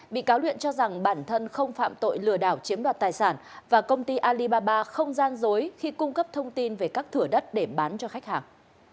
bị cáo luyện cho rằng bản thân không phạm tội lừa đảo chiếm đoạt tài sản và công ty alibaba không gian dối khi cung cấp thông tin về các thửa đất để bán cho khách hàng